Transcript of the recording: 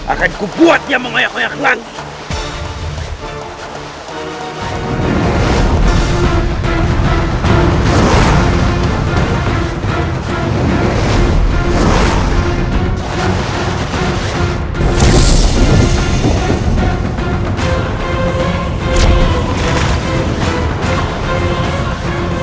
akan kubuatnya mengoyak oyak lantai